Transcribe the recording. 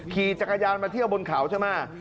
ขี่จักรยานมาเที่ยวบนเขาใช่ไหม